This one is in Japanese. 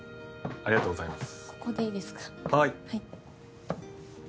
ありがとうございます。